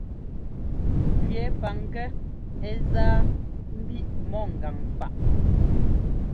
Njʉɛ́ paŋgɛ́ ɛ́ zá mbiʼ mɔ ŋgan faʼ.